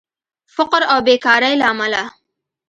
فقر او بیکارې له امله